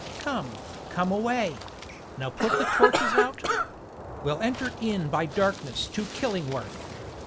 Come, come, away! Now put the torches out: We'll enter in by darkness to Killingworth.